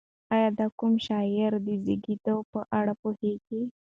ایا ته د کوم شاعر د زېږد په اړه پوهېږې؟